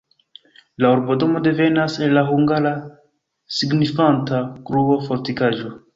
La urbonomo devenas el la hungara signifanta: gruo-fortikaĵo.